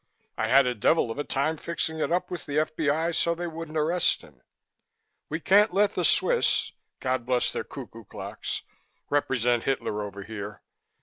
I had the devil of a time fixing it up with the F.B.I. so they wouldn't arrest him. We can't let the Swiss God bless their cuckoo clocks represent Hitler over here.